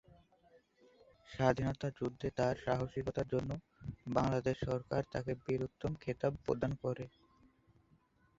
স্বাধীনতা যুদ্ধে তার সাহসিকতার জন্য বাংলাদেশ সরকার তাকে বীর উত্তম খেতাব প্রদান করে।